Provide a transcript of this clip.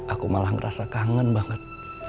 aku malah ngerasa kangen banget